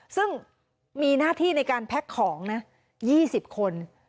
ซึ่งมีหน้าที่ในการแพ็คของนะ๒๐คน